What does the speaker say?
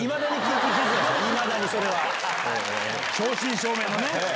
正真正銘のね。